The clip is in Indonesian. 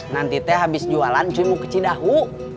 nanti teh habis jualan cuy mau ke cidahu